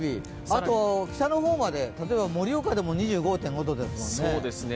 あと、北の方まで、盛岡でも２５．５度ですもんね。